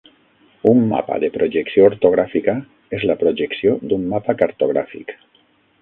Un mapa de projecció ortogràfica és la projecció d'un mapa cartogràfic.